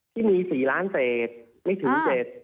ที่มี๔ล้านเศษไม่ถึง๗